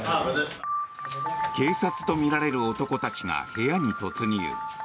警察とみられる男たちが部屋に突入。